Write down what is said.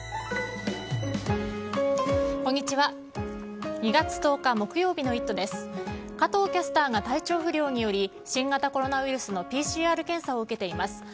加藤キャスターが体調不良により新型コロナウイルスのＰＣＲ検査を受けています。